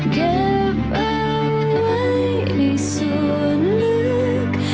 เก็บเอาไว้ในส่วนลึก